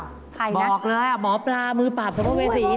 ใครนะครับ้างอ๋อคงบอกเลยหมอปลามือปราบสัมภเวศี